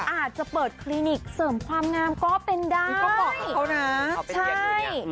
อาจจะเปิดคลินิกเสริมความงามก็เป็นได้ก็เหมาะกับเขานะใช่